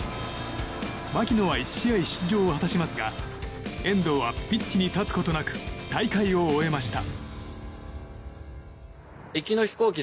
槙野は１試合出場を果たしますが遠藤はピッチに立つことなく大会を終えました。